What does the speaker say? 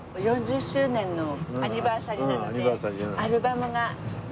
４０周年のアニバーサリーなのでアルバムが出るんですね。